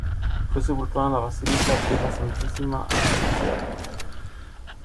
Fue sepultado en la Basilica della Santissima Annunziata.